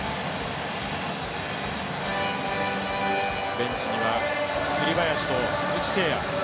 ベンチには栗林と鈴木誠也。